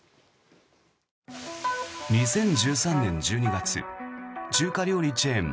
２０１３年１２月中華料理チェーン